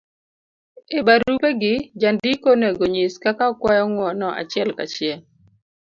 e barupe gi, jandiko onego nyis kaka okwayo ng'uono achiel ka chiel,